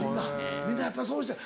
みんなやっぱりそうしてる。